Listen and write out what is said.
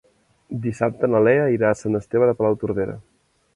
Dissabte na Lea irà a Sant Esteve de Palautordera.